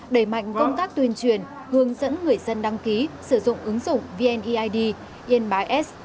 đẩy mạnh công tác tuyên truyền hướng dẫn người dân đăng ký sử dụng ứng dụng vneid yên bái s